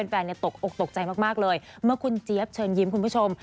ตกอกตกใจมากเลยเมื่อคุณเจี๊ยบเชิญยิ้มคุณผู้ชม